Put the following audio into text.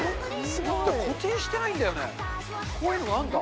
固定してないんだよね、こういうのがあるんだ。